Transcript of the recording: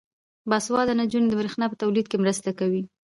باسواده نجونې د برښنا په تولید کې مرسته کوي.